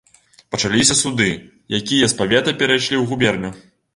Пачаліся суды, якія з павета перайшлі ў губерню.